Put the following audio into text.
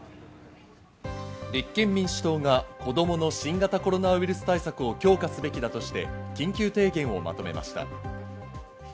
立憲民主党が子供の新型コロナウイルス対策を強化すべきだとして緊急提言をまとめました。